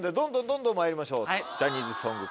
どんどんまいりましょうジャニーズソング。